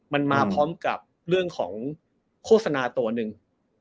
มันมาพร้อมกับเรื่องของโฆษณาตัวหนึ่ง